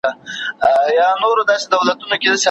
ادبي څېړنه تل ډېر لوړ تمرکز او ځانګړي پام ته اړتیا لري.